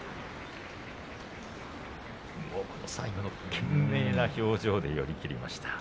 最後、懸命な表情で寄り切りました。